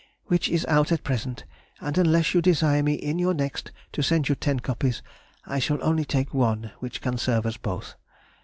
which is out at present, and unless you desire me in your next to send you ten copies, I shall only take one which can serve us both.